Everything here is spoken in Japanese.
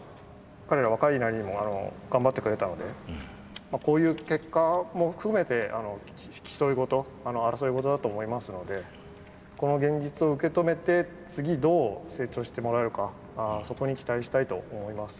彼ら若いなりにも頑張ってくれたのでこういう結果も含めて競いごと争いごとだと思いますのでこの現実を受け止めて次どう成長してもらえるかそこに期待したいと思います。